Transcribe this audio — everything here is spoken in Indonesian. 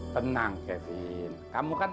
tenang kevin kamu kan